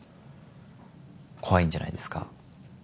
怖いんじゃないですか？